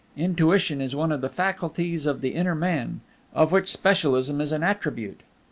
Intuition is one of the faculties of the Inner Man, of which Specialism is an attribute.